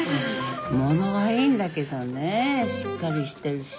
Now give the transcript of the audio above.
ものはいいんだけどねぇしっかりしてるし。